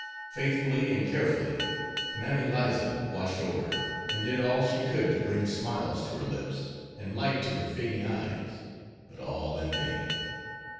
Faithfully and carefully Mammy Liza watched over her, and did all she could to bring smiles to her lips and light to her fading eyes, but all in vain.